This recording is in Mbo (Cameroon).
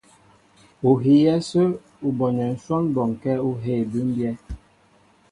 Ú hiyɛ ásə̄ ú bonɛ́ ǹshwɔ́n bɔnkɛ́ ú hēē bʉ́mbyɛ́.